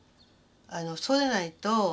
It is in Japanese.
そうでないと。